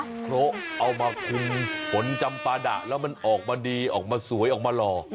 คุมองค์โคระเอามาคุมผลจำประดาษแล้วมันออกมาดีออกมาสวยออกมาหล่อ